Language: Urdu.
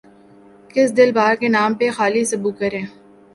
کس دل ربا کے نام پہ خالی سبو کریں